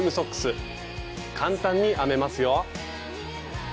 簡単に編めますよ。